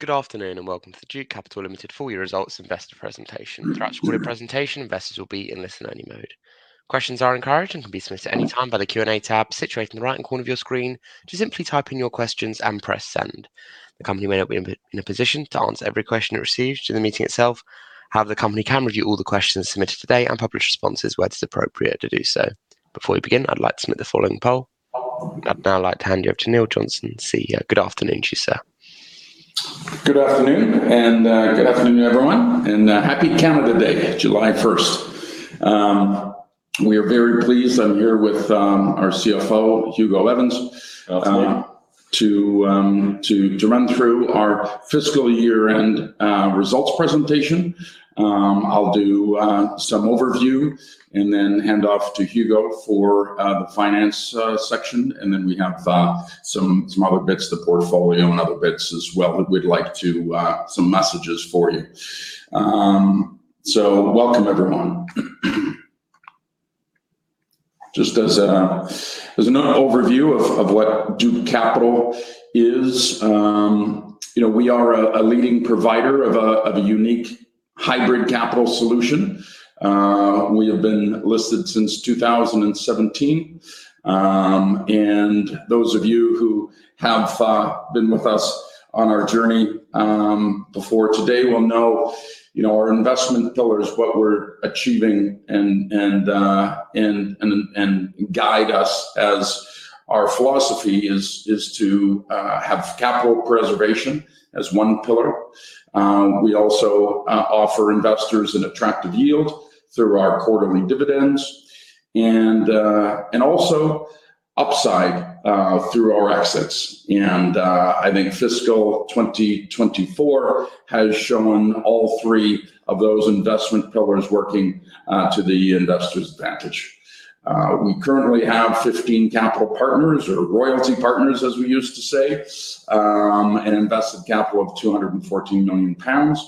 Good afternoon and welcome to the Duke Capital Limited full-year results investor presentation. Throughout today's presentation, investors will be in listen-only mode. Questions are encouraged and can be submitted at any time by the Q&A tab situated in the right-hand corner of your screen. Just simply type in your questions and press send. The company may not be in a position to answer every question it receives during the meeting itself. However, the company can review all the questions submitted today and publish responses where it is appropriate to do so. Before we begin, I'd like to submit the following poll. I'd now like to hand you over to Neil Johnson, CEO. Good afternoon to you, sir. Good afternoon, everyone, and happy Canada Day, July 1st. We are very pleased. I'm here with our CFO, Hugo Evans. Afternoon To run through our fiscal year-end results presentation. I'll do some overview and then hand off to Hugo for the finance section. We have some other bits, the portfolio and other bits as well, some messages for you. Welcome, everyone. Just as an overview of what Duke Capital is. We are a leading provider of a unique hybrid capital solution. We have been listed since 2017. Those of you who have been with us on our journey before today will know our investment pillars, what we're achieving, and guide us as our philosophy is to have capital preservation as one pillar. We also offer investors an attractive yield through our quarterly dividends and also upside through our exits. I think fiscal 2024 has shown all three of those investment pillars working to the investors' advantage. We currently have 15 capital partners or royalty partners, as we used to say, and invested capital of 214 million pounds.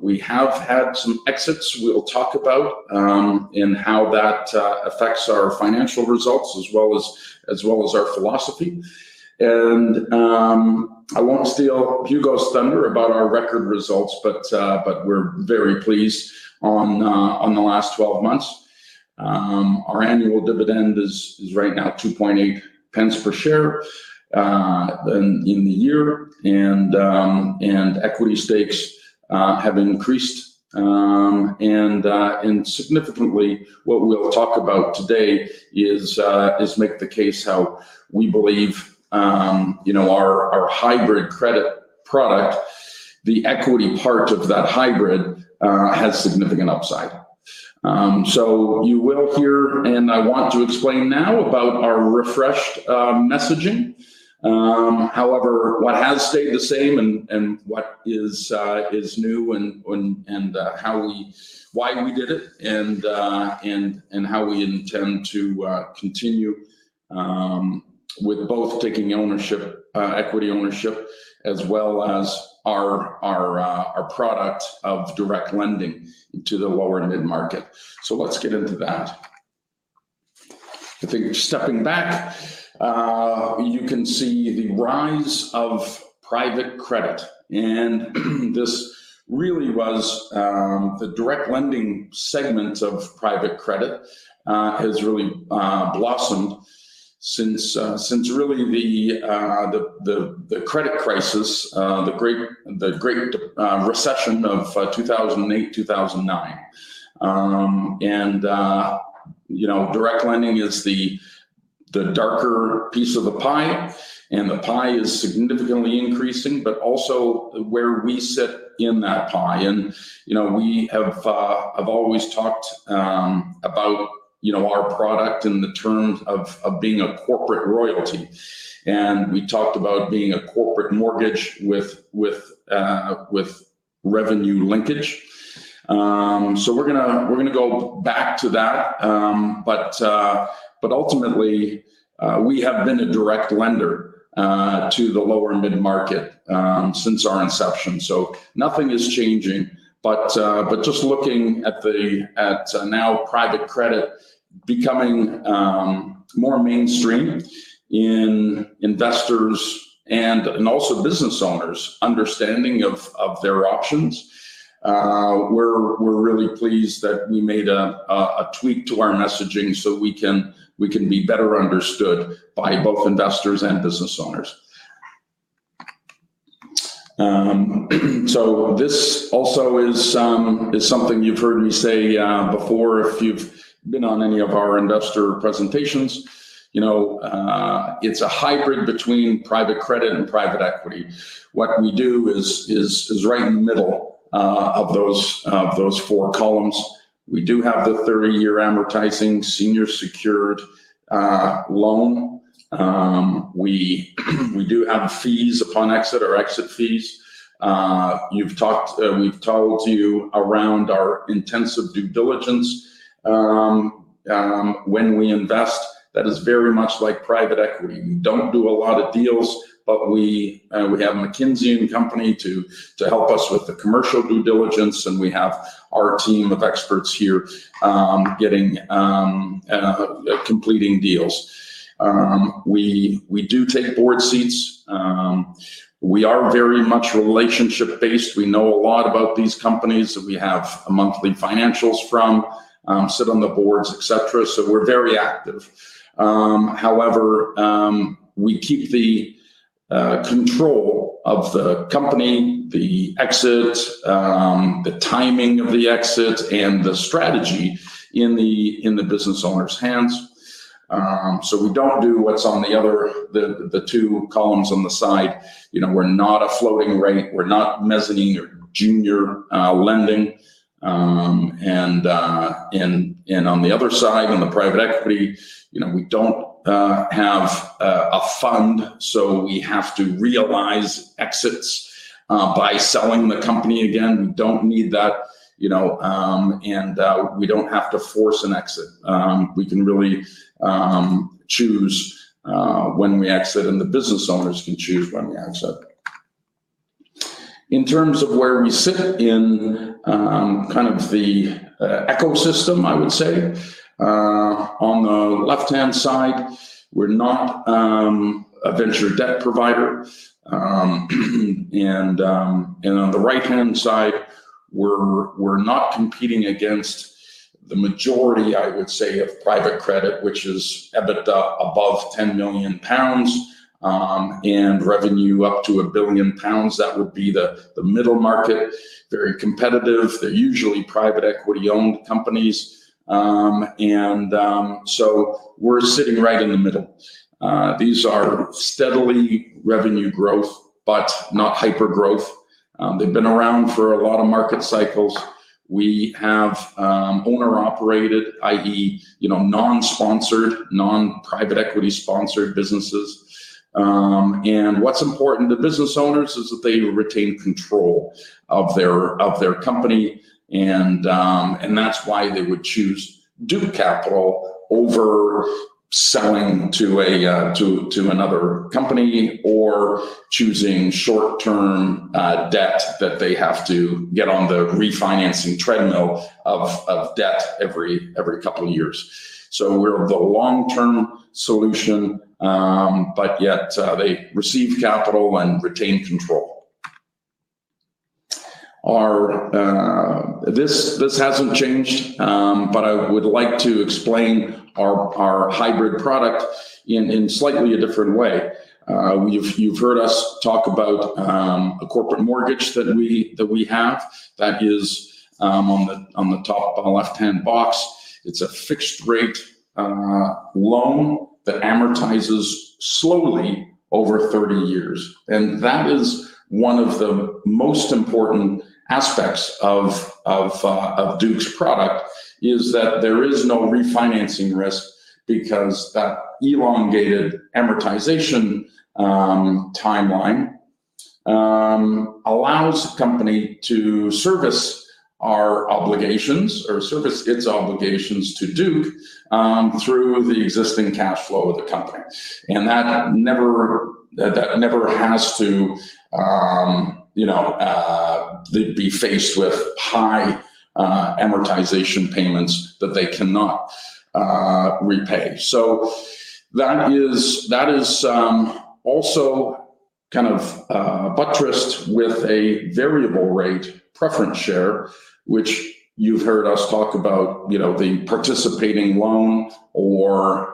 We have had some exits we'll talk about and how that affects our financial results as well as our philosophy. I won't steal Hugo's thunder about our record results, but we're very pleased on the last 12 months. Our annual dividend is right now 0.028 per share in the year. Equity stakes have increased. Significantly, what we'll talk about today is make the case how we believe our hybrid credit product, the equity part of that hybrid, has significant upside. You will hear, and I want to explain now about our refreshed messaging, however, what has stayed the same and what is new and why we did it, and how we intend to continue with both taking equity ownership as well as our product of direct lending to the lower mid-market. Let's get into that. I think stepping back, you can see the rise of private credit, and the direct lending segment of private credit has really blossomed since the credit crisis, the Great Recession of 2008-2009. Direct lending is the darker piece of the pie, and the pie is significantly increasing, but also where we sit in that pie, and we have always talked about our product in the terms of being a corporate royalty. We talked about being a corporate mortgage with revenue linkage. We're going to go back to that. Ultimately, we have been a direct lender to the lower mid-market since our inception, so nothing is changing. Just looking at now private credit becoming more mainstream in investors and also business owners understanding of their options, we're really pleased that we made a tweak to our messaging so we can be better understood by both investors and business owners. This also is something you've heard me say before, if you've been on any of our investor presentations. It's a hybrid between private credit and private equity. What we do is right in the middle of those four columns. We do have the 30-year amortizing senior secured loan. We do have fees upon exit or exit fees. We've told you around our intensive due diligence when we invest, that is very much like private equity. We don't do a lot of deals, but we have McKinsey & Company to help us with the commercial due diligence, and we have our team of experts here completing deals. We do take board seats. We are very much relationship-based. We know a lot about these companies that we have monthly financials from, sit on the boards, et cetera. We're very active. However, we keep the control of the company, the exit, the timing of the exit, and the strategy in the business owner's hands. We don't do what's on the other, the two columns on the side. We're not a floating rate. We're not mezzanine or junior lending. On the other side, on the private equity, we don't have a fund, so we have to realize exits by selling the company. Again, we don't need that, and we don't have to force an exit. We can really choose when we exit, and the business owners can choose when we exit. In terms of where we sit in kind of the ecosystem, I would say, on the left-hand side, we're not a venture debt provider. On the right-hand side, we're not competing against the majority, I would say, of private credit, which is EBITDA above 10 million pounds, and revenue up to 1 billion pounds. That would be the middle market, very competitive. They're usually private equity-owned companies. We're sitting right in the middle. These are steadily revenue growth but not hyper-growth. They've been around for a lot of market cycles. We have owner-operated, i.e., non-sponsored, non-private equity-sponsored businesses. What's important to business owners is that they retain control of their company, and that's why they would choose Duke Capital over selling to another company or choosing short-term debt that they have to get on the refinancing treadmill of debt every couple of years. We're the long-term solution, but yet they receive capital and retain control. This hasn't changed, but I would like to explain our hybrid product in slightly a different way. You've heard us talk about a corporate mortgage that we have that is on the top of the left-hand box. It's a fixed rate loan that amortizes slowly over 30 years. That is one of the most important aspects of Duke's product is that there is no refinancing risk because that elongated amortization timeline allows the company to service its obligations to Duke through the existing cash flow of the company. That never has to be faced with high amortization payments that they cannot repay. That is also kind of buttressed with a variable rate preference share, which you've heard us talk about, the participating loan or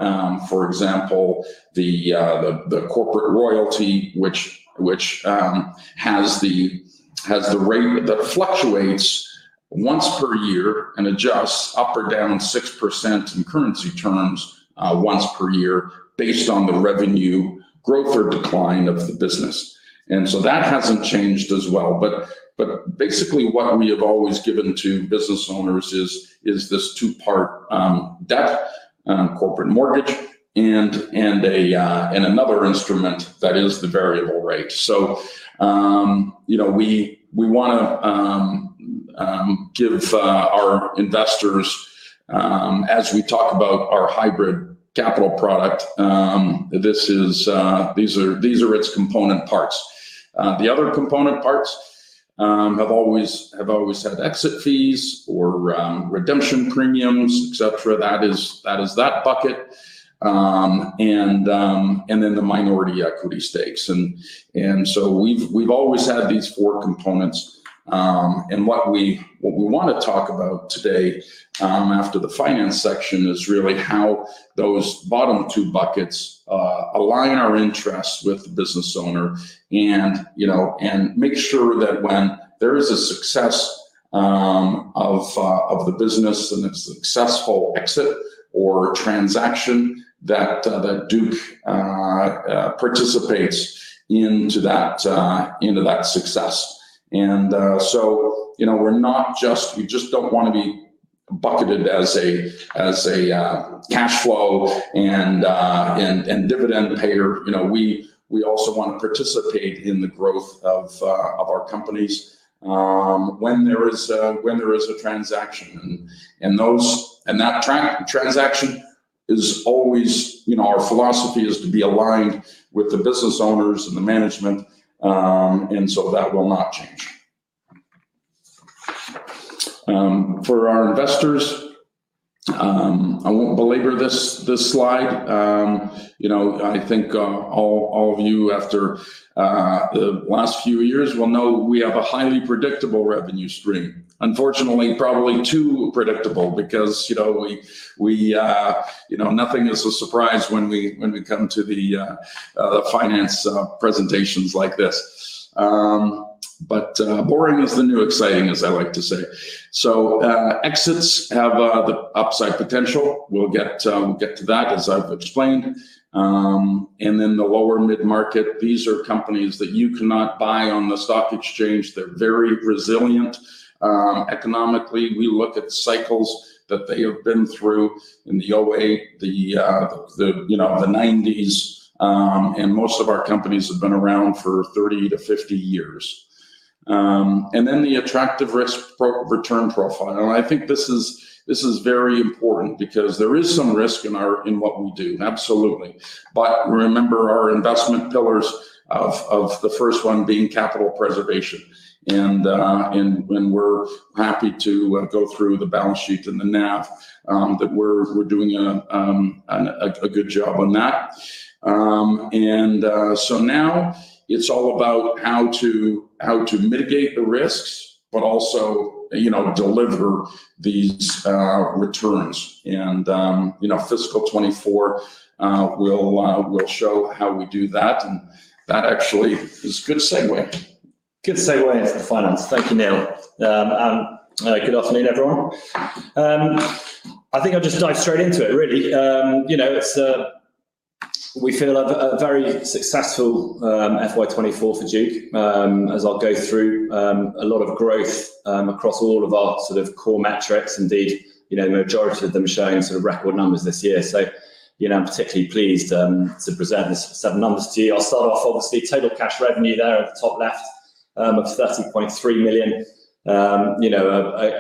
for example, the corporate royalty which has the rate that fluctuates once per year and adjusts up or down 6% in currency terms once per year based on the revenue growth or decline of the business. That hasn't changed as well. Basically what we have always given to business owners is this two-part, debt, corporate mortgage and another instrument that is the variable rate. We want to give our investors as we talk about our hybrid capital product, these are its component parts. The other component parts have always had exit fees or redemption premiums, et cetera, that is that bucket, and then the minority equity stakes. We've always had these four components. What we want to talk about today after the finance section is really how those bottom two buckets align our interests with the business owner and make sure that when there is a success of the business and a successful exit or transaction that Duke participates into that success. We just don't want to be bucketed as a cash flow and dividend payer. We also want to participate in the growth of our companies when there is a transaction. That transaction is always. Our philosophy is to be aligned with the business owners and the management, and so that will not change. For our investors, I won't belabor this slide. I think all of you, after the last few years, will know we have a highly predictable revenue stream. Unfortunately, probably too predictable because nothing is a surprise when we come to the finance presentations like this. Boring is the new exciting, as I like to say. Exits have the upside potential. We'll get to that, as I've explained. The lower mid-market, these are companies that you cannot buy on the stock exchange. They're very resilient economically. We look at the cycles that they have been through in the 2008, the 1990s, and most of our companies have been around for 30-50 years. And then the attractive risk return profile, and I think this is very important because there is some risk in what we do, absolutely, but remember our investment pillars of the first one being capital preservation. And when we're happy to go through the balance sheet and the NAV, that we're doing a good job on that. And so now it's all about how to mitigate the risks, but also deliver these returns. And our fiscal 2024 will show how we do that. And that actually is a good segue. Good segue into the finance. Thank you, Neil. Good afternoon, everyone. I think I'll just dive straight into it, really. We feel a very successful FY 2024 for Duke. As I'll go through, a lot of growth across all of our sort of core metrics. Indeed, majority of them showing sort of record numbers this year. I'm particularly pleased to present these seven numbers to you. I'll start off, obviously, total cash revenue there at the top left of 30.3 million.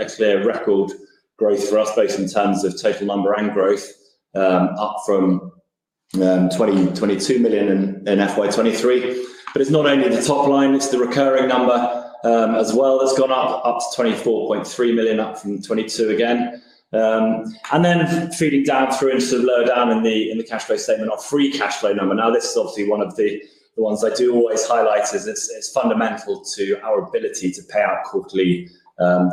Actually a record growth for us, both in terms of total number and growth, up from 22 million in FY 2023. It's not only the top line, it's the recurring number as well. It's gone up to 24.3 million, up from 22 again. Feeding down through into the lower down in the cash flow statement, our free cash flow number. Now, this is obviously one of the ones I do always highlight as it's fundamental to our ability to pay out quarterly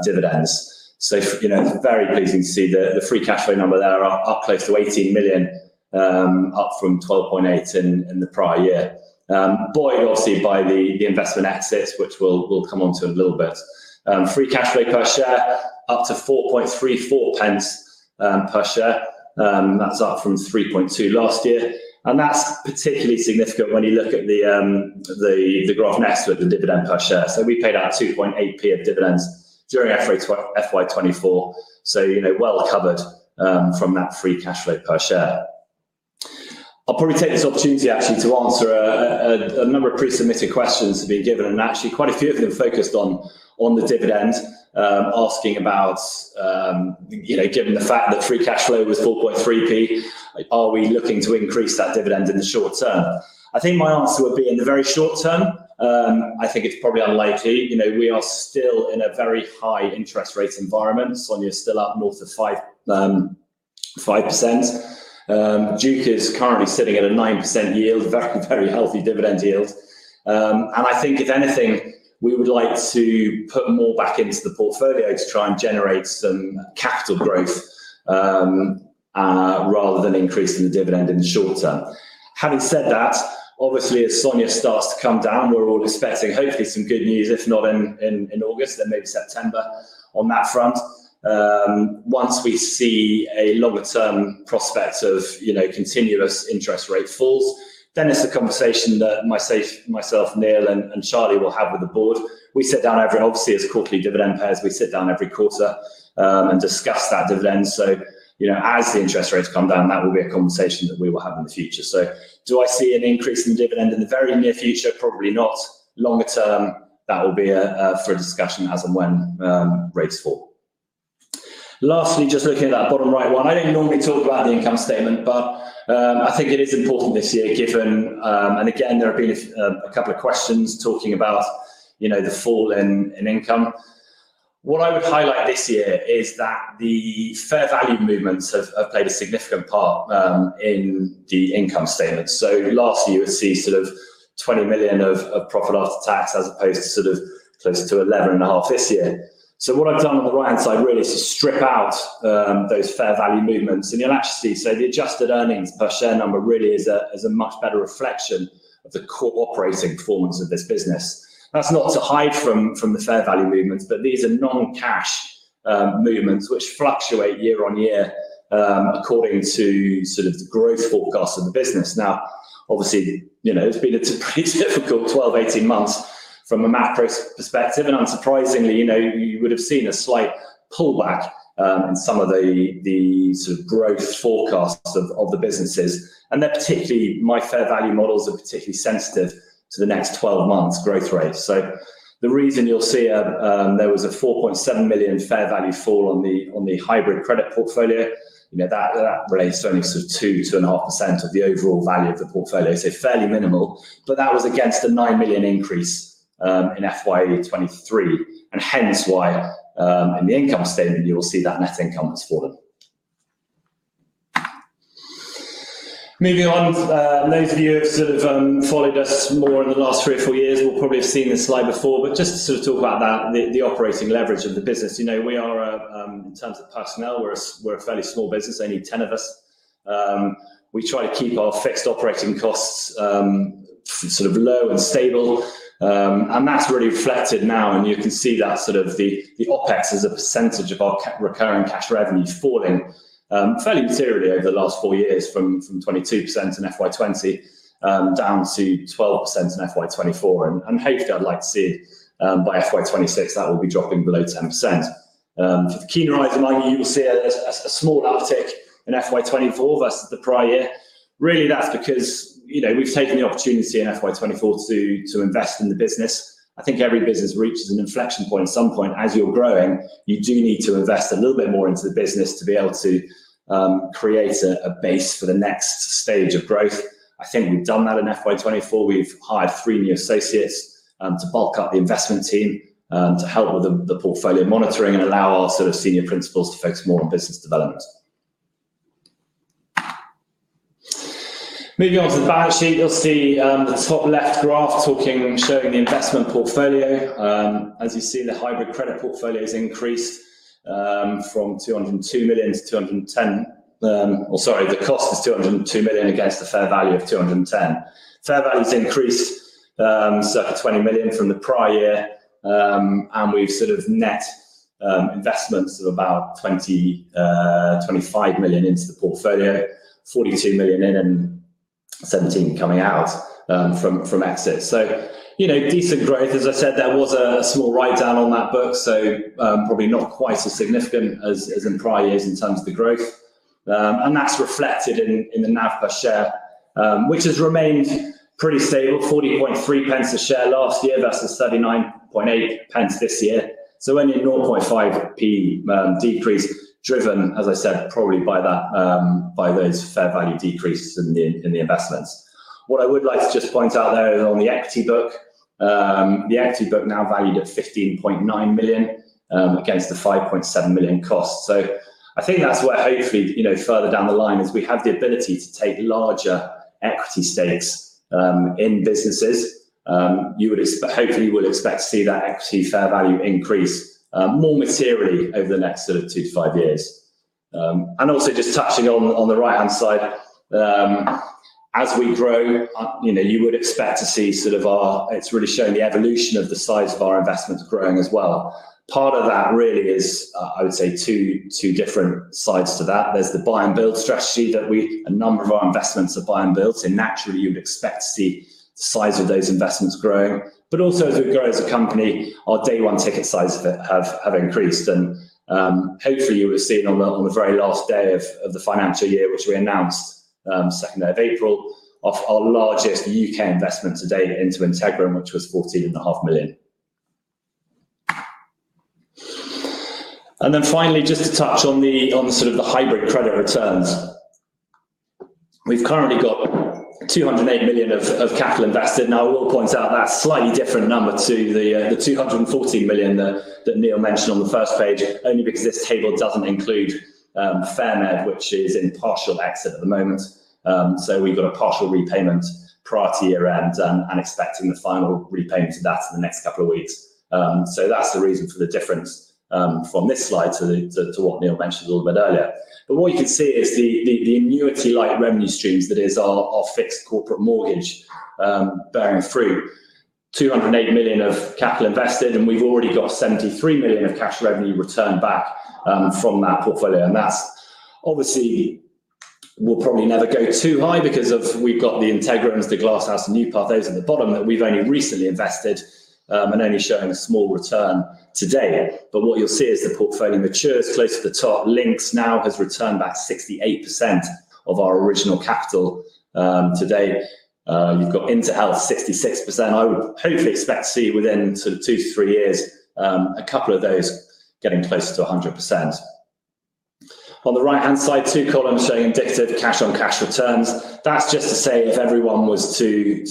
dividends. Very pleasing to see the free cash flow number there up close to 18 million, up from 12.8 million in the prior year. Buoyed obviously by the investment exits, which we'll come onto in a little bit. Free cash flow per share up to 0.0434 per share. That's up from 0.032 last year. That's particularly significant when you look at the graph next with the dividend per share. We paid out 0.028 of dividends during FY 2024, so well covered from that free cash flow per share. I'll probably take this opportunity actually to answer a number of pre-submitted questions we'd been given, and actually quite a few of them focused on the dividend, asking about, given the fact that free cash flow was 0.043, are we looking to increase that dividend in the short term? I think my answer would be, in the very short term, I think it's probably unlikely. We are still in a very high interest rate environment. SONIA's still up north of 5%. Duke is currently sitting at a 9% yield, very healthy dividend yield. I think if anything, we would like to put more back into the portfolio to try and generate some capital growth rather than increasing the dividend in the short term. Having said that, obviously as SONIA starts to come down, we're all expecting hopefully some good news, if not in August, then maybe September on that front. Once we see a longer-term prospect of continuous interest rate falls, then it's a conversation that myself, Neil, and Charlie will have with the Board. Obviously as quarterly dividend payers, we sit down every quarter and discuss that dividend. As the interest rates come down, that will be a conversation that we will have in the future. Do I see an increase in dividend in the very near future? Probably not. Longer-term, that will be for a discussion as and when rates fall. Lastly, just looking at that bottom-right one. I don't normally talk about the income statement, but I think it is important this year given, and again, there have been a couple of questions talking about the fall in income. What I would highlight this year is that the fair value movements have played a significant part in the income statement. Last year we see sort of 20 million of profit after tax as opposed to sort of closer to 11.5 million this year. What I've done on the right-hand side really is to strip out those fair value movements, and you'll actually see the adjusted earnings per share number really is a much better reflection of the core operating performance of this business. That's not to hide from the fair value movements, but these are non-cash movements which fluctuate year-on-year according to sort of the growth forecast of the business. Obviously, it's been a pretty difficult 12-18 months from a macro perspective, and unsurprisingly you would have seen a slight pullback in some of the sort of growth forecasts of the businesses. My fair value models are particularly sensitive to the next 12 months growth rate. The reason you'll see there was a 4.7 million fair value fall on the hybrid credit portfolio, that relates to only sort of 2.5% of the overall value of the portfolio, so fairly minimal. That was against a 9 million increase in FY 2023, and hence why in the income statement you will see that net income has fallen. Moving on. Those of you who have followed us more in the last three or four years will probably have seen this slide before, but just to talk about the operating leverage of the business. In terms of personnel, we're a fairly small business, only 10 of us. We try to keep our fixed operating costs low and stable. That's really reflected now, and you can see that the OpEx as a percentage of our recurring cash revenue falling fairly materially over the last four years from 22% in FY 2020, down to 12% in FY 2024. Hopefully, I'd like to see it by FY 2026. That will be dropping below 10%. For the keener eyes among you will see a small uptick in FY 2024 versus the prior year. Really, that's because we've taken the opportunity in FY 2024 to invest in the business. I think every business reaches an inflection point at some point as you're growing. You do need to invest a little bit more into the business to be able to create a base for the next stage of growth. I think we've done that in FY24. We've hired three new associates to bulk up the investment team to help with the portfolio monitoring and allow our senior principals to focus more on business development. Moving on to the balance sheet. You'll see the top left graph showing the investment portfolio. As you see, the hybrid credit portfolio has increased from two hundred and two million to two hundred and ten. Or sorry, the cost is two hundred and two million against the fair value of two hundred and ten. Fair value has increased circa twenty million from the prior year. And we've net investments of about twenty-five million into the portfolio, forty-two million in, and seventeen coming out from exits. So, decent growth. As I said, there was a small write-down on that book. So, probably not quite as significant as in prior years in terms of the growth. That's reflected in the NAV per share, which has remained pretty stable, 0.403 a share last year versus 0.398 this year. Only a 0.005 decrease, driven, as I said, probably by those fair value decreases in the investments. What I would like to just point out there is on the equity book. The equity book now valued at 15.9 million, against the 5.7 million cost. I think that's where hopefully, further down the line, as we have the ability to take larger equity stakes in businesses, you would hopefully expect to see that equity fair value increase more materially over the next two to five years. Also just touching on the right-hand side. As we grow, you would expect to see it's really showing the evolution of the size of our investments growing as well. Part of that really is, I would say, two different sides to that. There's the buy and build strategy that a number of our investments are buy and build. Naturally you would expect to see the size of those investments growing. Also as we grow as a company, our day one ticket sizes have increased and hopefully you will have seen on the very last day of the financial year, which we announced second day of April, of our largest U.K. investment to date into Integrum Care Group, which was 14.5 million. Finally, just to touch on the sort of the hybrid credit returns. We've currently got 208 million of capital invested. Now, I will point out that's a slightly different number to the 214 million that Neil mentioned on the first page, only because this table doesn't include Fairmed, which is in partial exit at the moment. We've got a partial repayment prior to year-end and expecting the final repayment to that in the next couple of weeks. That's the reason for the difference from this slide to what Neil mentioned a little bit earlier. What you can see is the annuity-like revenue streams that is our fixed corporate mortgage bearing fruit. 208 million of capital invested, and we've already got 73 million of cash revenue returned back from that portfolio. That obviously will probably never go too high because we've got the Integrum and the Glasshouse and Newpath, those at the bottom that we've only recently invested, and only showing a small return to date. What you'll see as the portfolio matures closer to the top Lynx now has returned back 68% of our original capital. Today, you've got InterHealth 66%. I would hopefully expect to see within two to three years a couple of those getting closer to 100%. On the right-hand side, two columns showing dividend cash-on-cash returns. That's just to say if everyone was to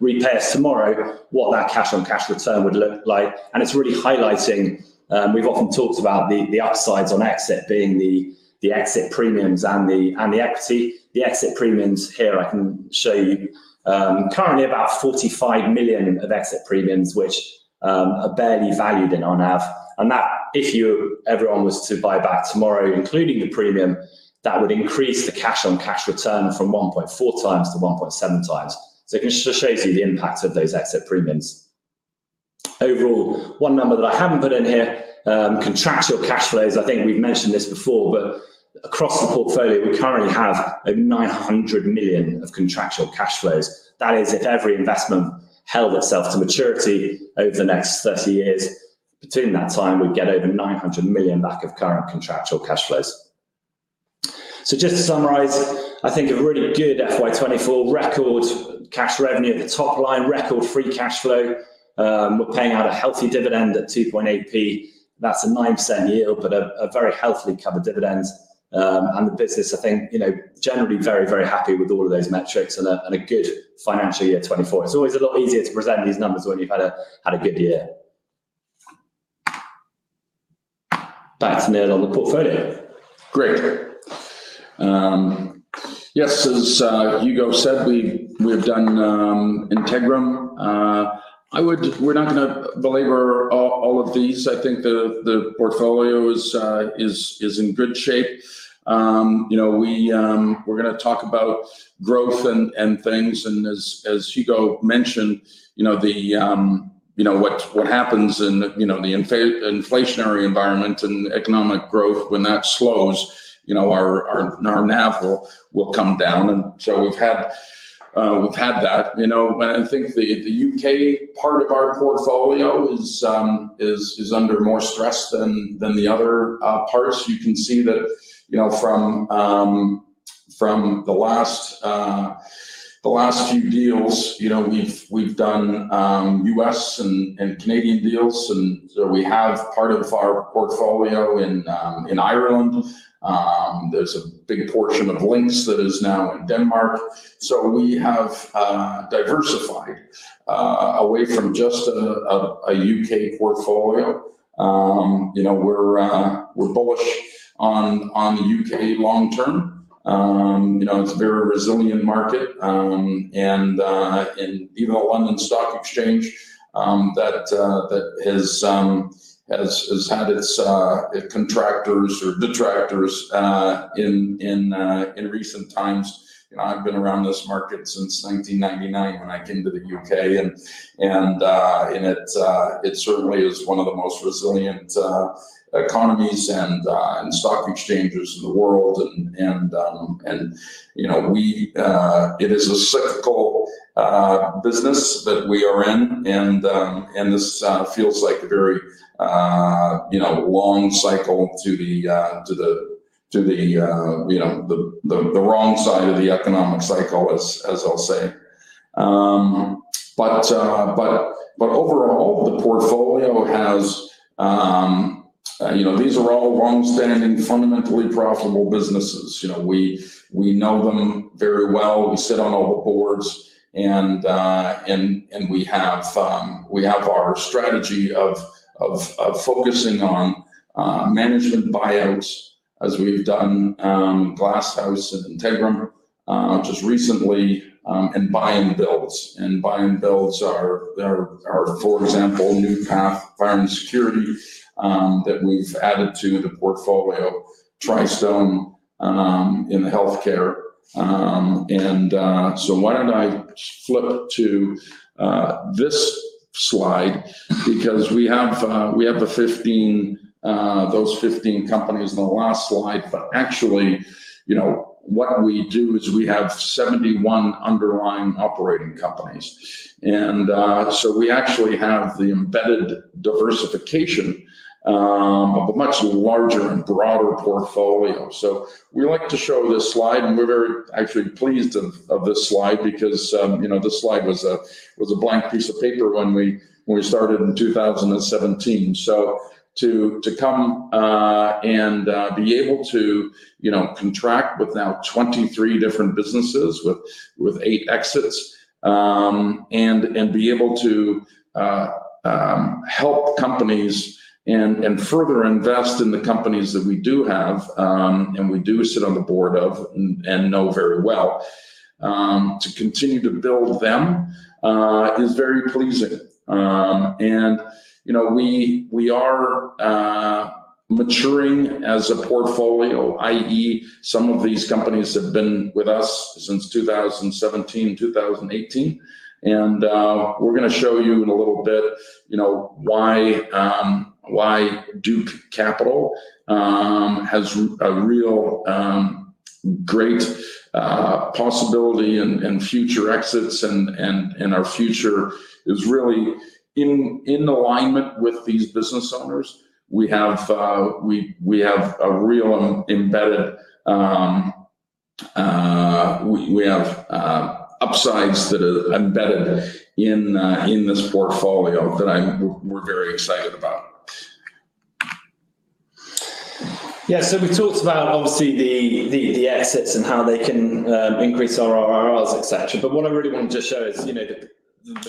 repay us tomorrow, what that cash-on-cash return would look like. It's really highlighting, we've often talked about the upsides on exit being the exit premiums and the equity. The exit premiums here I can show you. Currently about 45 million of exit premiums which are barely valued in our NAV. That if everyone was to buy back tomorrow, including the premium, that would increase the cash-on-cash return from 1.4x-1.7x. It just shows you the impact of those exit premiums. Overall, one number that I haven't put in here, contractual cash flows, I think we've mentioned this before, but across the portfolio, we currently have over 900 million of contractual cash flows. That is, if every investment held itself to maturity over the next 30 years. Between that time, we'd get over 900 million back of current contractual cash flows. Just to summarize, I think a really good FY 2024 record cash revenue at the top line, record free cash flow. We're paying out a healthy dividend at 0.028. That's a 9% yield, but a very healthily covered dividend. The business, I think, generally very, very happy with all of those metrics and a good financial year 2024. It's always a lot easier to present these numbers when you've had a good year. That's made on the portfolio. Great. Yes, as Hugo said, we've done Integrum. We're not going to belabor all of these. I think the portfolio is in good shape. We're going to talk about growth and things. As Hugo mentioned, what happens in the inflationary environment and economic growth when that slows, our NAV will come down. We've had that. I think the U.K. part of our portfolio is under more stress than the other parts. You can see that from the last few deals. We've done U.S. and Canadian deals. We have part of our portfolio in Ireland. There's a big portion of Lynx that is now in Denmark. We have diversified away from just a U.K. portfolio. We're bullish on the U.K. long term. It's a very resilient market. And even though London Stock Exchange that has had its contractors or detractors in recent times, I've been around this market since 1999 when I came to the U.K.. And it certainly is one of the most resilient economies and stock exchanges in the world. And it is a cyclical business that we are in and this feels like a very long cycle to the the wrong side of the economic cycle, as I'll say. But overall, the portfolio has-- These are all longstanding, fundamentally profitable businesses. We know them very well. We sit on all the boards and we have our strategy of focusing on management buyouts as we've done Glasshouse and Integrum, just recently, and buy and builds. And buy and builds are, for example, Newpath, environmental security, that we've added to the portfolio, Tristone, in healthcare. Why don't I flip to this slide because we have those 15 companies in the last slide. Actually, what we do is we have 71 underlying operating companies. We actually have the embedded diversification of a much larger and broader portfolio. We like to show this slide, and we're very actually pleased of this slide because this slide was a blank piece of paper when we started in 2017. To come and be able to contract with now 23 different businesses with eight exits, and be able to help companies and further invest in the companies that we do have, and we do sit on the board of, and know very well, to continue to build them, is very pleasing. We are maturing as a portfolio, i.e., some of these companies have been with us since 2017, 2018. We're going to show you in a little bit why Duke Capital has a real great possibility in future exits and our future is really in alignment with these business owners. We have upsides that are embedded in this portfolio that we're very excited about. Yeah. So we talked about obviously the exits and how they can increase our IRRs, et cetera. But what I really want to just show is the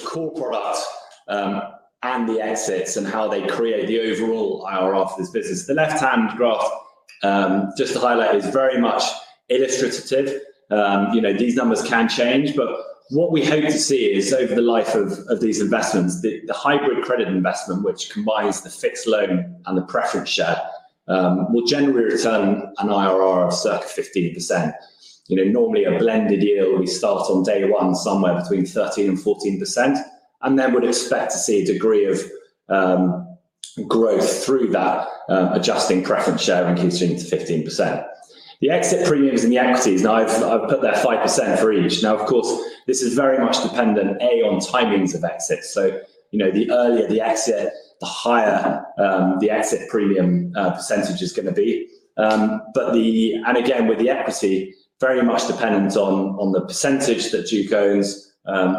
core product, and the exits, and how they create the overall IRR of this business. The left-hand graph, just to highlight, is very much illustrative. These numbers can change, but what we hope to see is over the life of these investments, the hybrid credit investment, which combines the fixed loan and the preference share, will generally return an IRR of circa 15%. Normally, a blended deal, we start on day one somewhere between 13% and 14%, and then would expect to see a degree of growth through that adjusting preference share and continuing to 15%. The exit premiums and the equities. Now I've put there 5% for each. Now, of course, this is very much dependent, A, on timings of exits. The earlier the exit, the higher the exit premium percentage is going to be. Again, with the equity very much dependent on the percentage that Duke owns and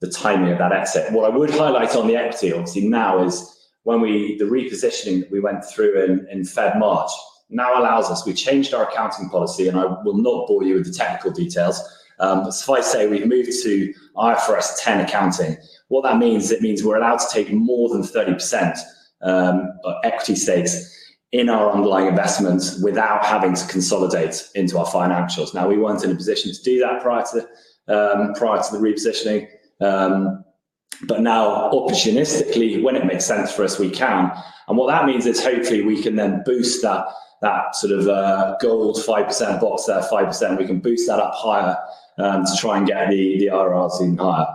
the timing of that exit. What I would highlight on the equity, obviously now is the repositioning that we went through in February, March now allows us. We changed our accounting policy, and I will not bore you with the technical details. Suffice to say we've moved to IFRS 10 accounting. What that means, it means we're allowed to take more than 30% equity stakes in our underlying investments without having to consolidate into our financials. Now, we weren't in a position to do that prior to the repositioning. Now opportunistically, when it makes sense for us, we can. What that means is hopefully we can then boost that sort of gold 5% box there, 5%, we can boost that up higher to try and get the IRRs even higher.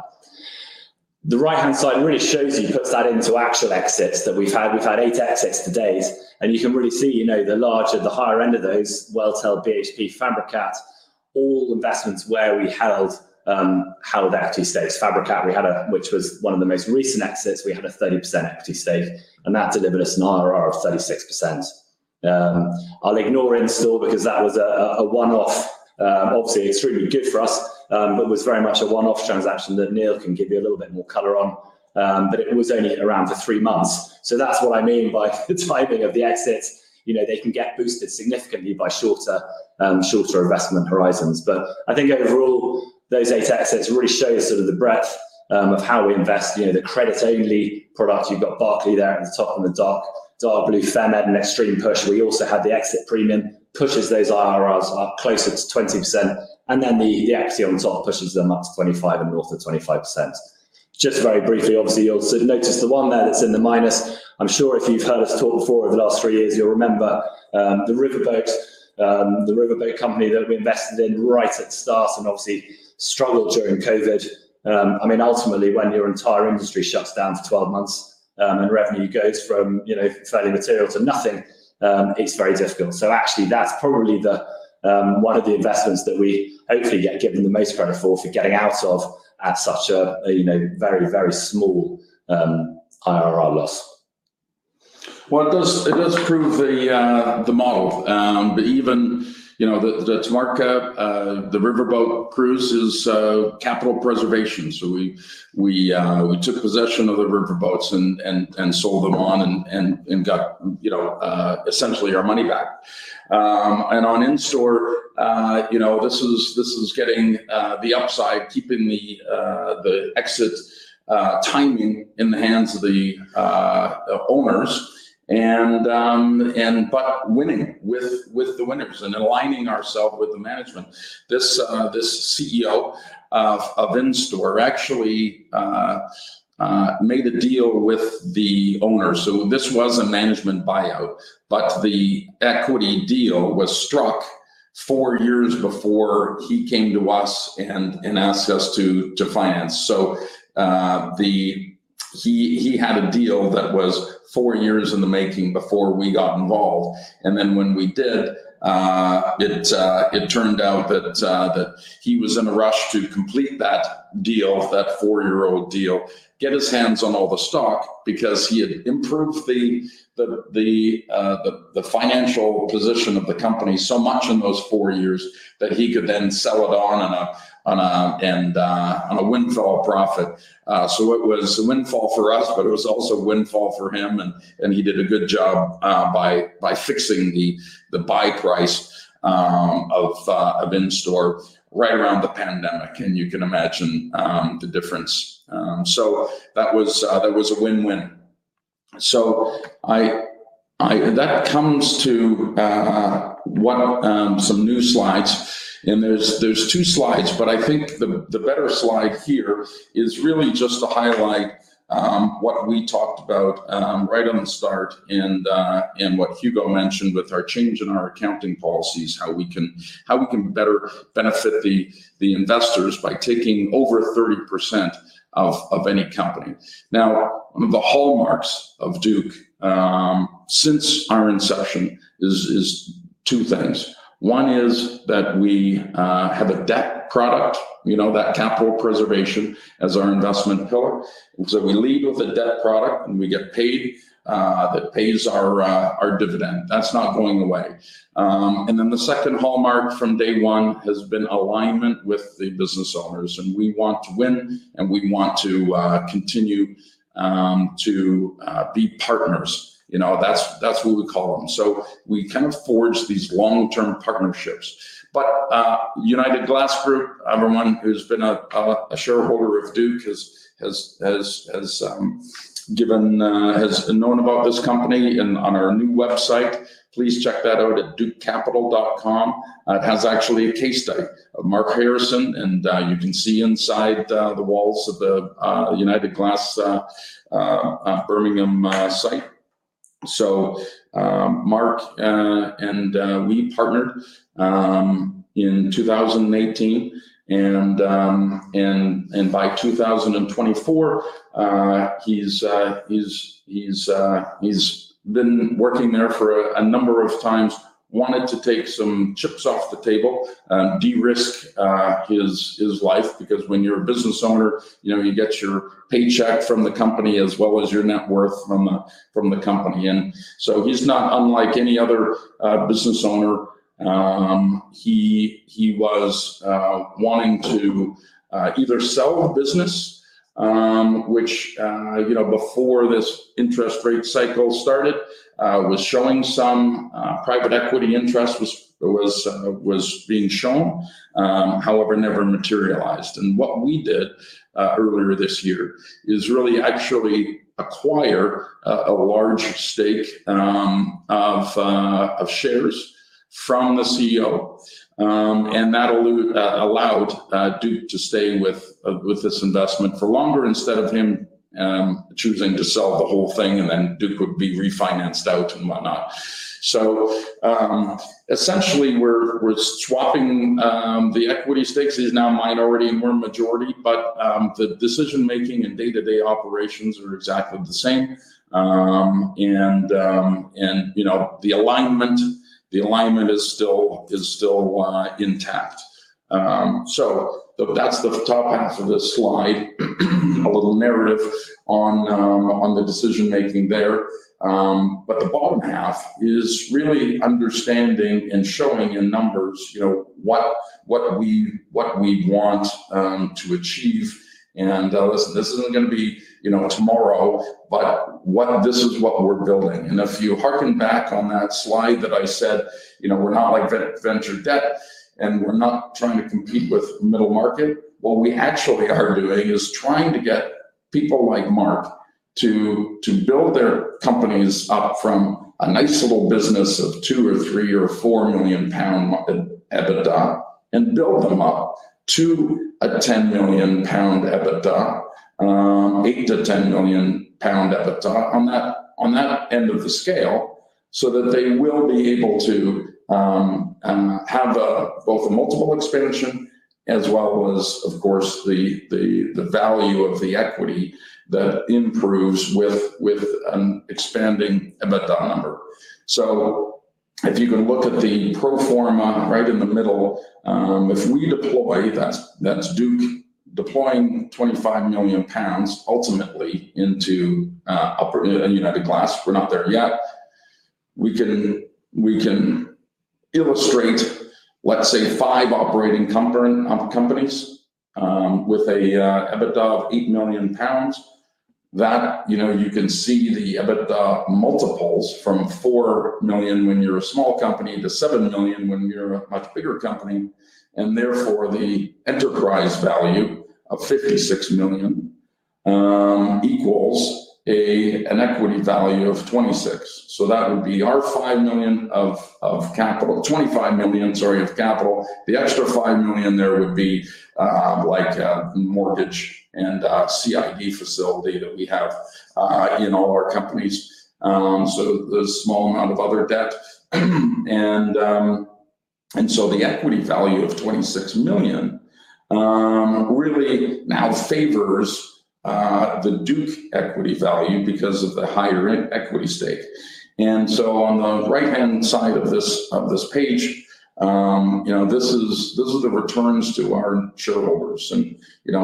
The right-hand side really shows you, puts that into actual exits that we've had. We've had eight exits to date, and you can really see the larger, the higher end of those Welltel, BHP, Fabrikat, all investments where we held equity stakes. Fabrikat, which was one of the most recent exits, we had a 30% equity stake, and that delivered us an IRR of 36%. I will ignore Instor because that was a one-off. Obviously extremely good for us. Was very much a one-off transaction that Neil can give you a little bit more color on. It was only around for three months. That's what I mean by the timing of the exits. They can get boosted significantly by shorter investment horizons. I think overall, those eight exits really show you sort of the breadth of how we invest. The credits-only products, you've got Berkley there at the top in the dark blue, Fairmed and Xtremepush, where you also had the exit premium, pushes those IRRs up closer to 20%. The equity on the top pushes them up to 25% and north of 25%. Just very briefly, obviously, you'll notice the one there that's in the minus. I'm sure if you've heard us talk before over the last three years you'll remember the Riverboat Company that we invested in right at the start and obviously struggled during COVID. Ultimately, when your entire industry shuts down for 12 months, and revenue goes from fairly material to nothing, it's very difficult. Actually that's probably one of the investments that we hopefully get given the most credit for getting out of at such a very small IRR loss. Well, it does prove the model. Even the markup, the Riverboat cruise is capital preservation. We took possession of the Riverboats and sold them on and got essentially our money back. On Instor, this is getting the upside, keeping the exit timing in the hands of the owners. Winning with the winners and aligning ourself with the management. This CEO of Instor actually made a deal with the owner. This was a management buyout, but the equity deal was struck four years before he came to us and asked us to finance. He had a deal that was four years in the making before we got involved, and then when we did, it turned out that he was in a rush to complete that deal, that four-year-old deal, get his hands on all the stock because he had improved the financial position of the company so much in those four years that he could then sell it on a windfall profit. It was a windfall for us, but it was also a windfall for him, and he did a good job by fixing the buy price of Instor right around the pandemic. You can imagine the difference. That was a win-win. That comes to some new slides, and there's two slides, but I think the better slide here is really just to highlight what we talked about right at the start and what Hugo Evans mentioned with our change in our accounting policies, how we can better benefit the investors by taking over 30% of any company. Now, one of the hallmarks of Duke, since our inception, is two things. One is that we have a debt product, that capital preservation as our investment pillar. We lead with a debt product, and we get paid. That pays our dividend. That's not going away. The second hallmark from day one has been alignment with the business owners. We want to win, and we want to continue to be partners. That's what we call them. We kind of forge these long-term partnerships. United Glass Group, everyone who's been a shareholder of Duke has known about this company, and on our new website, please check that out at dukecapital.com. It has actually a case study of Mark Harrison, and you can see inside the walls of the United Glass Birmingham site. Mark and we partnered in 2018, and by 2024, he's been working there for a number of times, wanted to take some chips off the table, de-risk his life because when you're a business owner you get your paycheck from the company as well as your net worth from the company. He's not unlike any other business owner. He was wanting to either sell the business, which before this interest rate cycle started, was showing some private equity interest was being shown, however, never materialized. What we did earlier this year is really actually acquire a large stake of shares from the CEO. That allowed Duke to stay with this investment for longer instead of him choosing to sell the whole thing and then Duke would be refinanced out and whatnot. Essentially we're swapping the equity stakes. He's now minority and we're majority, but the decision making and day-to-day operations are exactly the same. The alignment is still intact. That's the top half of this slide, a little narrative on the decision making there. The bottom half is really understanding and showing in numbers what we want to achieve. Listen, this isn't going to be tomorrow, but this is what we're building. If you harken back on that slide that I said, we're not like venture debt, and we're not trying to compete with middle market. What we actually are doing is trying to get people like Mark to build their companies up from a nice little business of 2 million, 3 million, or 4 million pound EBITDA and build them up to a 10 million pound EBITDA, 8 million-10 million pound EBITDA on that end of the scale, so that they will be able to have both a multiple expansion as well as, of course, the value of the equity that improves with an expanding EBITDA number. If you can look at the pro forma right in the middle, if we deploy, that's Duke deploying 25 million pounds ultimately into United Glass, we're not there yet. We can illustrate, let's say, five operating companies with an EBITDA of 8 million pounds. You can see the EBITDA multiples from 4 million when you're a small company to 7 million when you're a much bigger company. Therefore, the enterprise value of 56 million equals an equity value of 26 million. That would be our 25 million, sorry, of capital. The extra 5 million there would be like a mortgage and a CID facility that we have in all our companies, the small amount of other debt. The equity value of 26 million really now favors the Duke equity value because of the higher equity stake. On the right-hand side of this page, this is the returns to our shareholders. That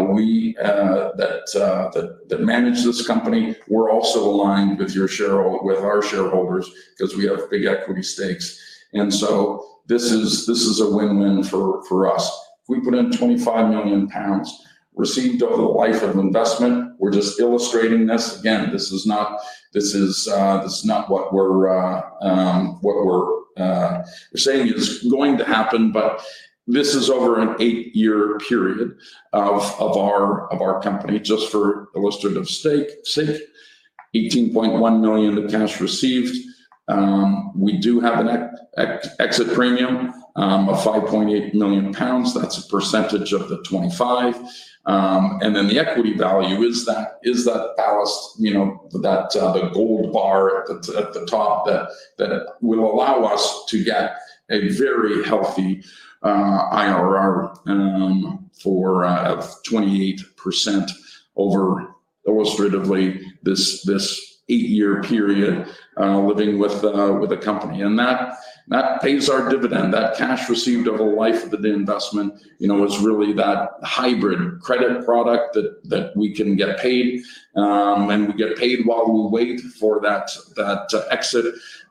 manage this company, we're also aligned with our shareholders because we have big equity stakes. This is a win-win for us. If we put in 25 million pounds received over the life of investment, we're just illustrating this. Again, this is not what we're saying is going to happen, but this is over an eight-year period of our company just for illustrative sake. 18.1 million of cash received. We do have an exit premium of 5.8 million pounds, that's a percentage of the 25. The equity value is that ballast, the gold bar at the top that will allow us to get a very healthy IRR of 28% over illustratively this eight-year period living with a company. That pays our dividend, that cash received over life of the investment is really that hybrid credit product that we can get paid, and we get paid while we wait for that exit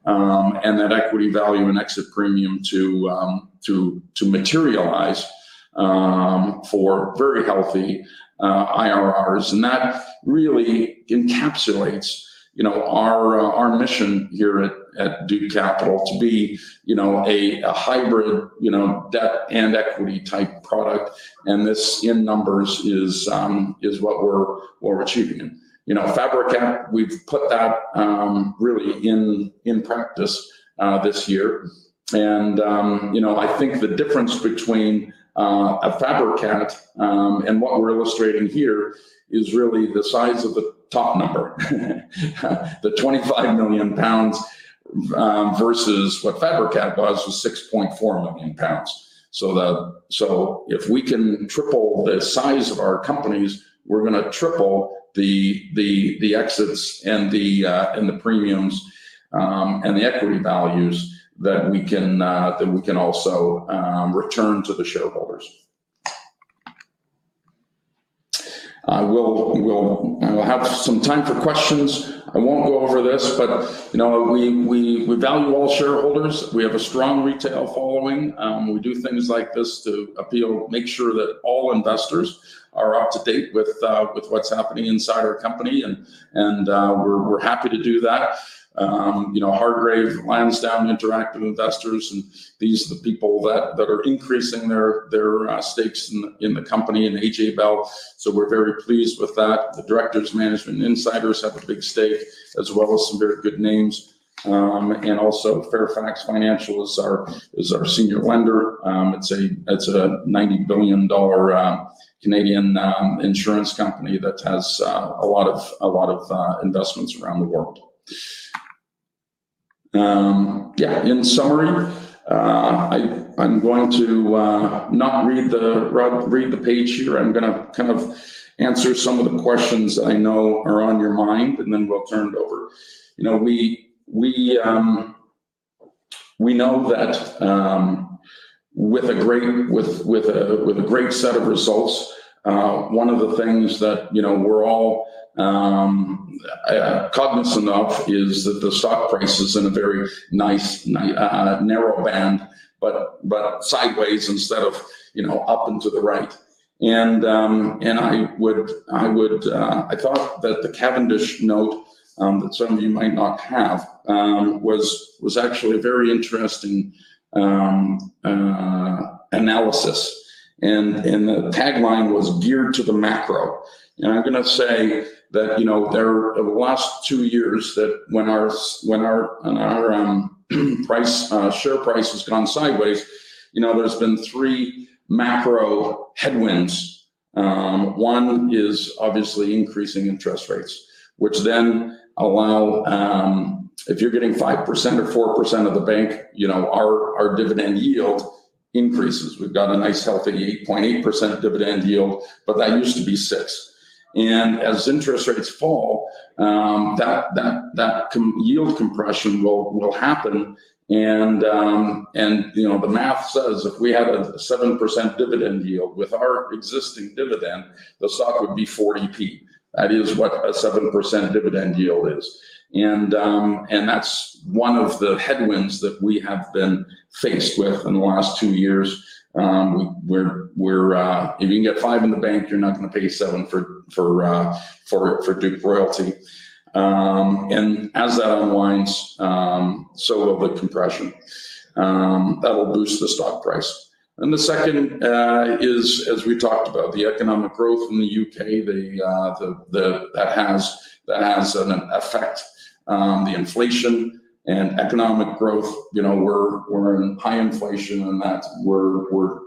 and that equity value and exit premium to materialize for very healthy IRRs. That really encapsulates our mission here at Duke Capital to be a hybrid debt and equity type product. This in numbers is what we're achieving. Fabrikat, we've put that really in practice this year. I think the difference between a Fabrikat and what we're illustrating here is really the size of the top number. The 25 million pounds versus what Fabrikat was was 6.4 million pounds. If we can triple the size of our companies, we're going to triple the exits and the premiums and the equity values that we can also return to the shareholders. I will have some time for questions. I won't go over this, but we value all shareholders. We have a strong retail following. We do things like this to appeal, make sure that all investors are up to date with what's happening inside our company, and we're happy to do that. Hargreaves Lansdown interact with investors, and these are the people that are increasing their stakes in the company, and AJ Bell. We're very pleased with that. The directors, management, and insiders have a big stake, as well as some very good names. Also, Fairfax Financial is our senior lender. It's a $90 billion Canadian insurance company that has a lot of investments around the world. Yeah. In summary, I'm going to not read the page here. I'm going to kind of answer some of the questions I know are on your mind, and then we'll turn it over. We know that with a great set of results, one of the things that we're all cognizant of is that the stock price is in a very nice narrow band, but sideways instead of up and to the right. I thought that the Cavendish note, that some of you might not have, was actually a very interesting analysis. The tagline was geared to the macro. I'm going to say that the last two years that when our share price has gone sideways, there's been three macro headwinds. One is obviously increasing interest rates, which then allow, if you're getting 5% or 4% at the bank, our dividend yield increases. We've got a nice healthy 8.8% dividend yield, but that used to be six. As interest rates fall, that yield compression will happen, and the math says if we have a 7% dividend yield with our existing dividend, the stock would be 0.40. That is what a 7% dividend yield is. That's one of the headwinds that we have been faced with in the last two years. If you can get 5% in the bank, you're not going to pay 7% for Duke Royalty. As that unwinds, so will the compression. That will boost the stock price. The second is, as we talked about, the economic growth in the U.K., that has an effect on the inflation and economic growth. We're in high inflation, and we're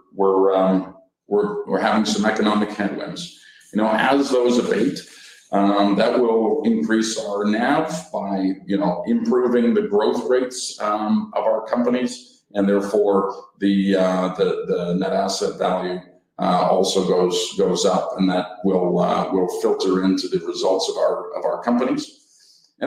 having some economic headwinds. As those abate, that will increase our NAV by improving the growth rates of our companies, and therefore the net asset value also goes up, and that will filter into the results of our companies.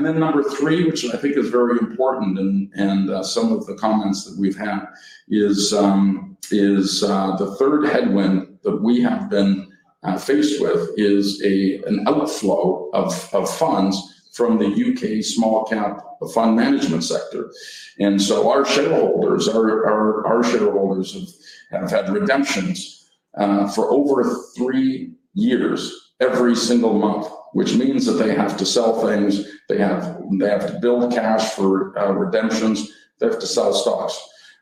Number three, which I think is very important and some of the comments that we've had is the third headwind that we have been faced with is an outflow of funds from the U.K. small-cap fund management sector. Our shareholders have had redemptions for over three years, every single month, which means that they have to sell things, they have to build cash for redemptions. They have to sell stocks.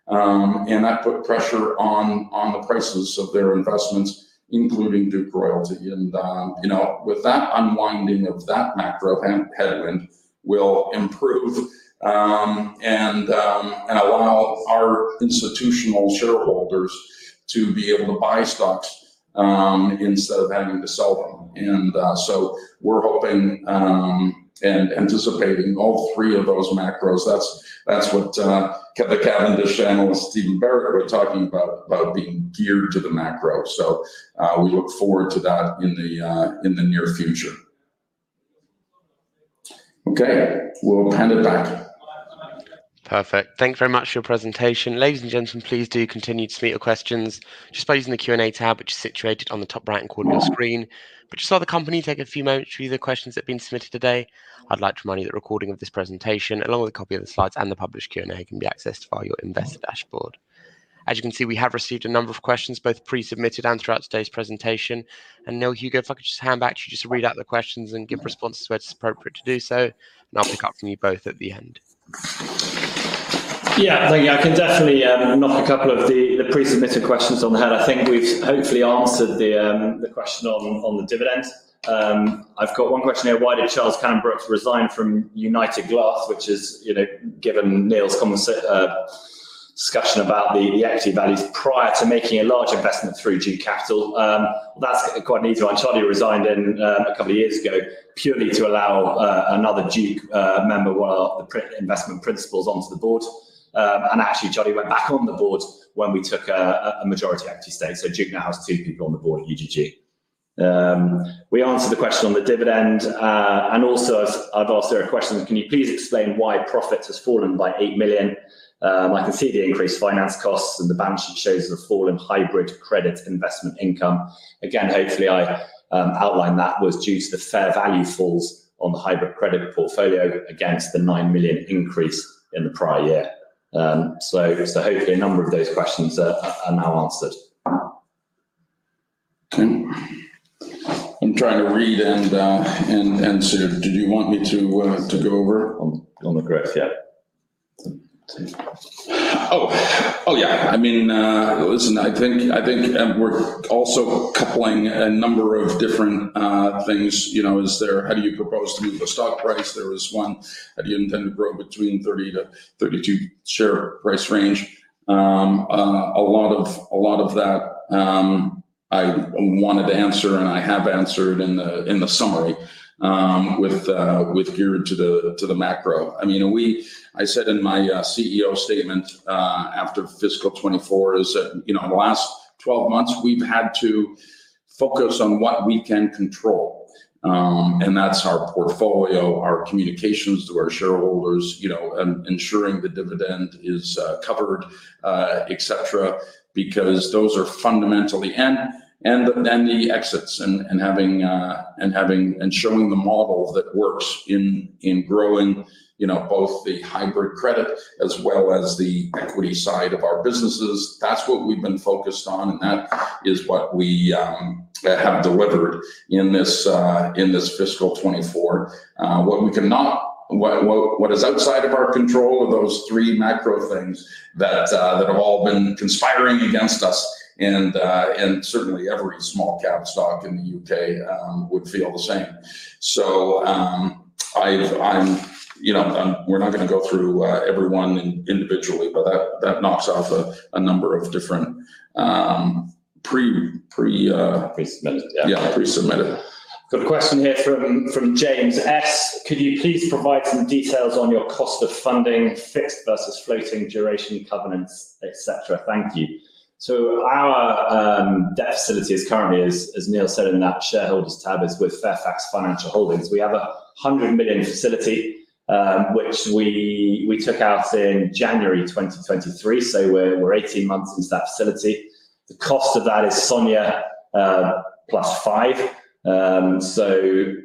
That put pressure on the prices of their investments, including Duke Royalty. With that unwinding of that macro headwind will improve and allow our institutional shareholders to be able to buy stocks instead of having to sell them. We're hoping and anticipating all three of those macros. That's what the Cavendish Analyst, Stephen Barrett, was talking about being geared to the macro. We look forward to that in the near future. Okay. We'll hand it back. Perfect. Thank you very much for your presentation. Ladies and gentlemen, please do continue to submit your questions just by using the Q&A tab, which is situated on the top right-hand corner of your screen. Just while the company take a few moments to read the questions that have been submitted today, I'd like to remind you that a recording of this presentation, along with a copy of the slides and the published Q&A, can be accessed via your investor dashboard. As you can see, we have received a number of questions, both pre-submitted and throughout today's presentation. Neil, Hugo, if I could just hand back to you just to read out the questions and give responses where it is appropriate to do so, and I'll pick up from you both at the end. Yeah. Thank you. I can definitely knock a couple of the pre-submitted questions on the head. I think we've hopefully answered the question on the dividend. I've got one question here. Why did Charlie Cannon-Brookes resign from United Glass, which is given Neil's discussion about the equity values prior to making a large investment through Duke Capital? That's quite an easy one. Charlie resigned a couple of years ago purely to allow another Duke member, one of the investment principals, onto the board. Actually, Charlie went back on the board when we took a majority equity stake. Duke now has two people on the board at UGG. We answered the question on the dividend. I've another question. Can you please explain why profit has fallen by 8 million? I can see the increased finance costs and the balance sheet shows the fall in hybrid credit investment income. Again, hopefully I outlined that was due to the fair value falls on the hybrid credit portfolio against the 9 million increase in the prior year. Hopefully a number of those questions are now answered. Okay. I'm trying to read and answer. Did you want me to go over on the graphs yet? Yeah. Oh, yeah. Listen, I think we're also coupling a number of different things. How do you propose to move the stock price? There was one, how do you intend to grow between 30-32 share price range? A lot of that I wanted to answer and I have answered in the summary geared to the macro. I said in my CEO statement after fiscal 2024 is that in the last 12 months we've had to focus on what we can control. That's our portfolio, our communications to our shareholders, and ensuring the dividend is covered et cetera, because those are fundamentally the exits and showing the model that works in growing both the hybrid credit as well as the equity side of our businesses. That's what we've been focused on, and that is what we have delivered in this fiscal 2024. What is outside of our control are those three macro things that have all been conspiring against us. Certainly every small-cap stock in the U.K. would feel the same. We're not going to go through every one individually. Pre-submitted Yeah, pre-submitted. got a question here from James S. Could you please provide some details on your cost of funding fixed versus floating duration covenants, et cetera? Thank you. Our debt facility is currently, as Neil said in that shareholders tab, with Fairfax Financial Holdings. We have a 100 million facility, which we took out in January 2023. We're 18 months into that facility. The cost of that is SONIA plus 5%.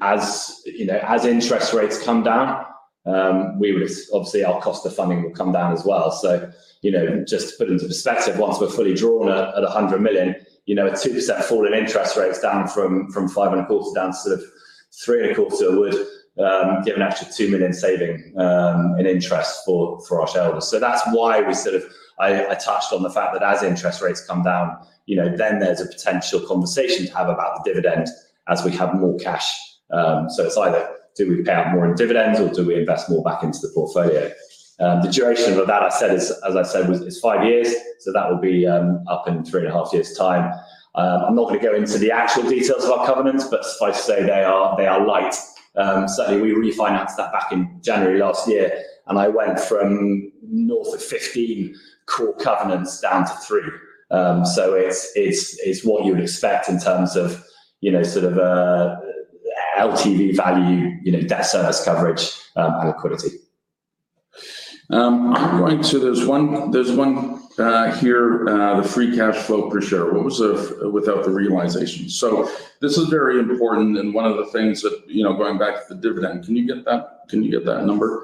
As interest rates come down, obviously our cost of funding will come down as well. Just to put into perspective, once we're fully drawn at 100 million, a 2% fall in interest rates down from 5.75% down to sort of 3.75% would give an extra 2 million saving in interest for our shareholders. That's why I touched on the fact that as interest rates come down, then there's a potential conversation to have about the dividend as we have more cash. It's either do we pay out more in dividends or do we invest more back into the portfolio? The duration of that, as I said, is five years. That will be up in three and a half years' time. I'm not going to go into the actual details of our covenants, but suffice to say they are light. Certainly, we refinanced that back in January last year, and I went from north of 15 core covenants down to three. It's what you would expect in terms of sort of LTV value, debt service coverage and liquidity. There's one here, the free cash flow per share, what was it without the realization? This is very important. Going back to the dividend, can you get that number,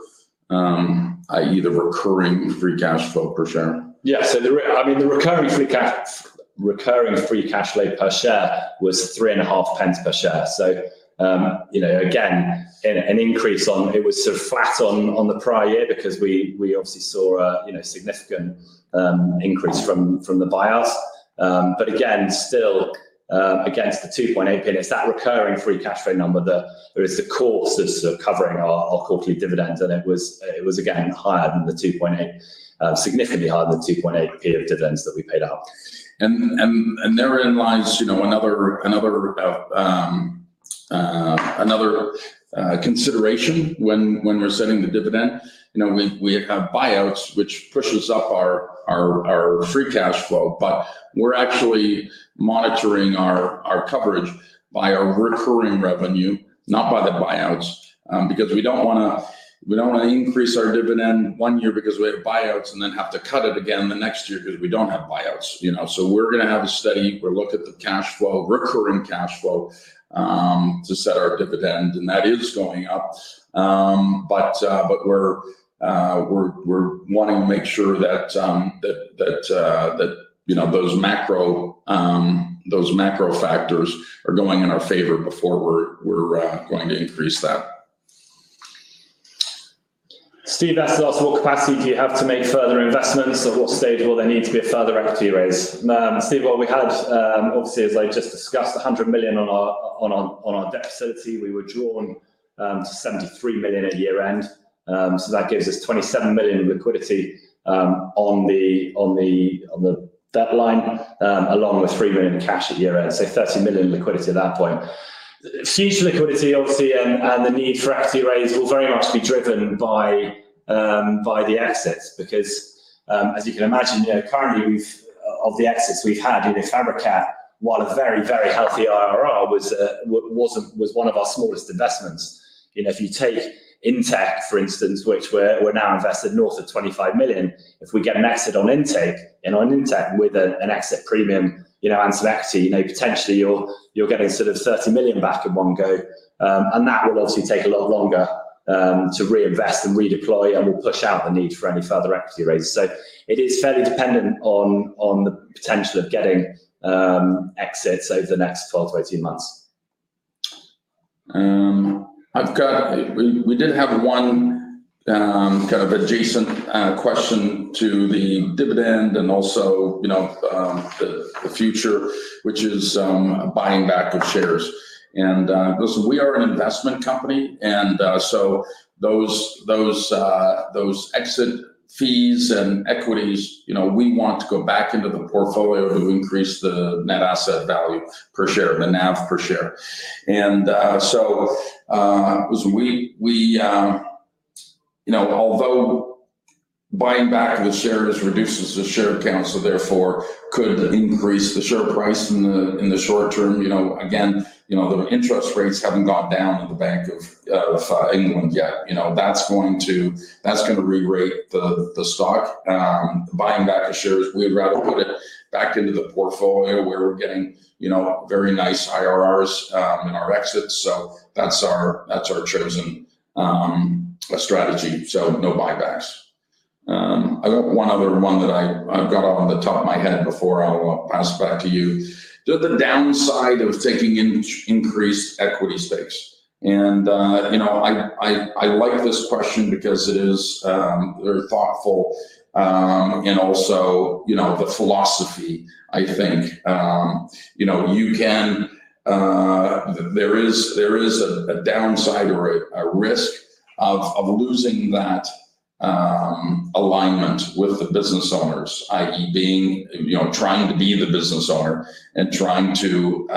i.e., the recurring free cash flow per share? Yeah. The recurring free cash flow per share was 0.035 per share. Again, an increase on it was sort of flat on the prior year because we obviously saw a significant increase from the buyouts. Again, still against the 0.028, it's that recurring free cash flow number that is the course of sort of covering our quarterly dividend. It was, again, significantly higher than the 0.028 of dividends that we paid out. Therein lies another consideration when we're setting the dividend. We have buyouts, which pushes up our free cash flow, but we're actually monitoring our coverage by our recurring revenue, not by the buyouts, because we don't want to increase our dividend one year because we had buyouts and then have to cut it again the next year because we don't have buyouts. We're going to have a steady look at the cash flow, recurring cash flow, to set our dividend, and that is going up. We're wanting to make sure that those macro factors are going in our favor before we're going to increase that. Steve asks, what capacity do you have to make further investments? At what stage will there need to be a further equity raise? Steve, what we had, obviously as I just discussed, 100 million on our debt facility. We were drawn to 73 million at year-end. That gives us 27 million in liquidity on the debt line, along with 3 million cash at year-end. 30 million liquidity at that point. Future liquidity obviously and the need for equity raise will very much be driven by the exits. Because as you can imagine, currently of the exits we've had, Fabrikat, while a very, very healthy IRR, was one of our smallest investments. If you take InTec, for instance, which we're now invested north of 25 million. If we get an exit on InTec with an exit premium and some equity, potentially you're getting sort of 30 million back in one go. That will obviously take a lot longer to reinvest and redeploy and will push out the need for any further equity raises. It is fairly dependent on the potential of getting exits over the next 12 months-18 months. We did have one kind of adjacent question to the dividend and also the future, which is buying back of shares. Listen, we are an investment company, and so those exit fees and equities we want to go back into the portfolio to increase the Net Asset Value per share, the NAV per share. Listen, although buying back of the shares reduces the share count, so therefore could increase the share price in the short term, again, the interest rates haven't gone down at the Bank of England yet. That's going to re-rate the stock. Buying back the shares, we'd rather put it back into the portfolio where we're getting very nice IRRs in our exits. That's our chosen strategy, no buybacks. I got one other one that I've got off on the top of my head before I'll pass it back to you. The downside of taking increased equity stakes, I like this question because it is very thoughtful. Also the philosophy I think, there is a downside or a risk of losing that alignment with the business owners, i.e., trying to be the business owner and trying to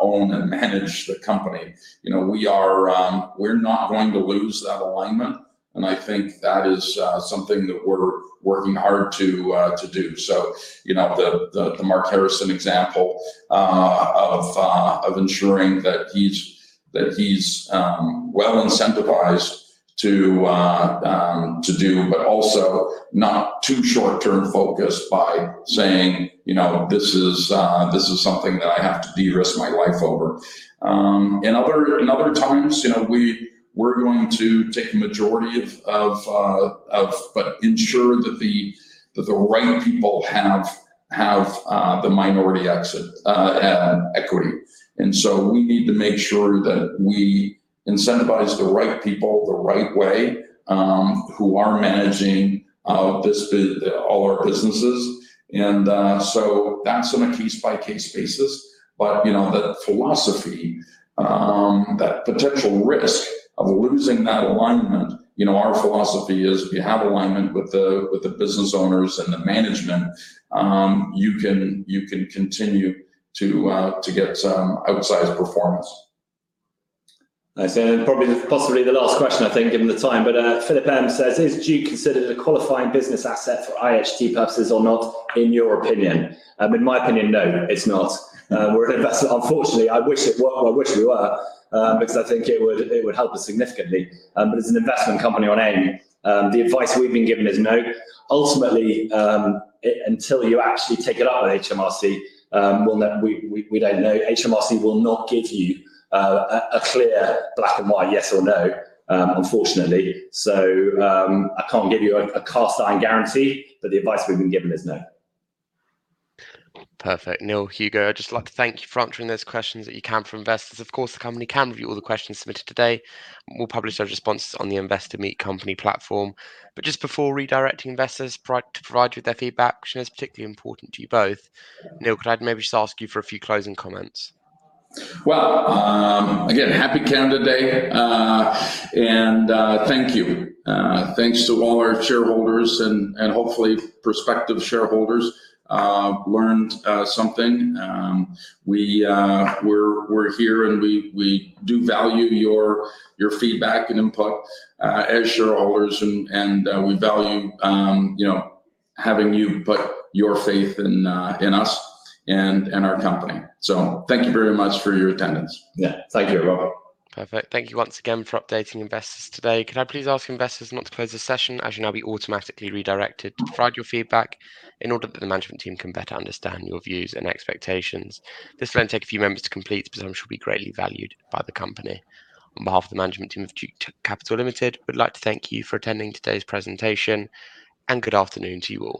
own and manage the company. We're not going to lose that alignment, and I think that is something that we're working hard to do, the Mark Harrison example of ensuring that he's well incentivized to do, but also not too short-term focused by saying, "This is something that I have to de-risk my life over." In other times, we're going to take a majority but ensure that the right people have the minority exit and equity. We need to make sure that we incentivize the right people the right way, who are managing all our businesses. And so that's on a case-by-case basis. But the philosophy, that potential risk of losing that alignment, our philosophy is if you have alignment with the business owners and the management, you can continue to get some outsized performance. I see. Probably possibly the last question I think in the time, but Philip M says, is Duke considered a qualifying business asset for IHT purposes or not in your opinion? In my opinion, no, it's not. We're an investor. Unfortunately, I wish it were, I wish we were, because I think it would help us significantly. As an investment company on AIM, the advice we've been given is no. Ultimately, until you actually take it up with HMRC, we don't know. HMRC will not give you a clear black-and-white yes or no, unfortunately. I can't give you a cast-iron guarantee, but the advice we've been given is no. Perfect. Neil, Hugo, I'd just like to thank you for answering those questions that you can from investors. Of course, the company can review all the questions submitted today, and we'll publish those responses on the Investor Meet Company platform. Just before redirecting investors to provide you with their feedback, which I know is particularly important to you both, Neil, could I maybe just ask you for a few closing comments? Well, again, happy Canada Day, and thank you. Thanks to all our shareholders, and hopefully prospective shareholders learned something. We're here and we do value your feedback and input as shareholders and we value having you put your faith in us and our company. Thank you very much for your attendance. Yeah. Thank you, everyone. Perfect. Thank you once again for updating investors today. Could I please ask investors not to close this session as you'll now be automatically redirected to provide your feedback in order that the management team can better understand your views and expectations. This will only take a few moments to complete, but I'm sure it will be greatly valued by the company. On behalf of the management team of Duke Capital Limited, we'd like to thank you for attending today's presentation, and good afternoon to you all.